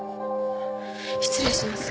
失礼します。